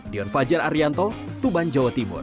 dion fajar arianto tuban jawa timur